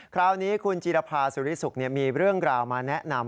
คราวนี้คุณจิรภาสุริสุขมีเรื่องราวมาแนะนำ